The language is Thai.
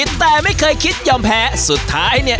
แต่ไม่เคยคิดยอมแพ้สุดท้ายเนี่ย